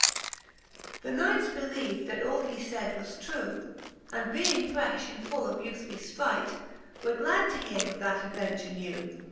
V. The Knights beleev'd, that all he faid, was trew. And being frefh and full of youthfuU fpright. Were glad to heare of that adventure new.